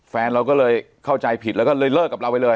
แฟนเราก็เลยเข้าใจผิดแล้วก็เลยเลิกกับเราไปเลย